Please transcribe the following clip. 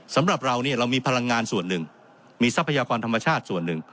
สำหรับเราเนี่ยเรามีพลังงานส่วนหนึ่งมีทรัพยากรธรรมชาติส่วนหนึ่ง